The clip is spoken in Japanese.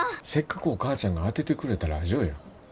せっかくお母ちゃんが当ててくれたラジオや。